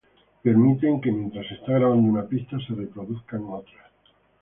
Permiten que, mientras se está grabando una pista, se reproduzcan otras.